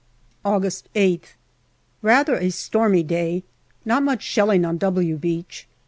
August Sth. Rather a stormy day. Not much shelling on " W " Beach.